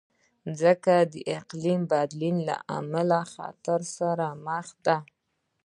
مځکه د اقلیم بدلون له امله له خطر سره مخ ده.